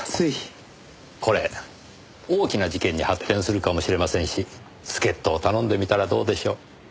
これ大きな事件に発展するかもしれませんし助っ人を頼んでみたらどうでしょう？